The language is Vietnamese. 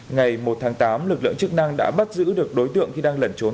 ngày một tháng tám lực lượng chức năng đã bắt giữ được đối tượng khi đang lẩn trốn